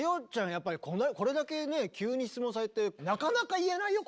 やっぱりこれだけね急に質問されてなかなか言えないよ